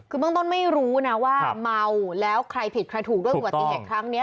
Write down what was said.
คือเบื้องต้นไม่รู้นะว่าเมาแล้วใครผิดใครถูกด้วยอุบัติเหตุครั้งนี้